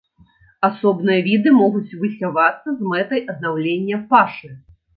Асобныя віды могуць высявацца з мэтай аднаўлення пашы.